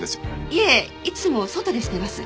いえいつも外でしてます。